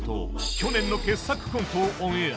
去年の傑作コントをオンエア。